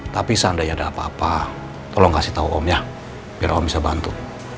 tapi seandainya ada apa apa tolong kasih tahu omnya biar om bisa bantu